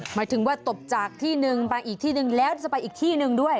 หมายถึงว่าตบจากที่หนึ่งไปอีกที่หนึ่งแล้วจะไปอีกที่หนึ่งด้วย